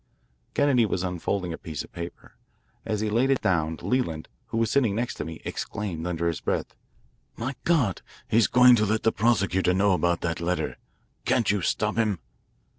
Kennedy was unfolding a piece=20of paper. As he laid it down, Leland, who was sitting next to me, exclaimed under his breath: "My God, he's going to let the prosecutor know about that letter. Can't you stop him?"